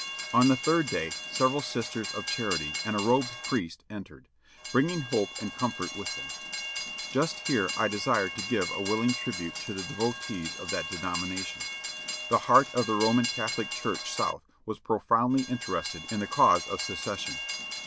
On the third day several Sisters of Charity and a robed priest entered, bringing hope and comfort with them. Just here I desire to give a willing tribute to the devotees of that denomination. The heart of the Roman Catholic Church South was profoundly interested in the cause of Secession.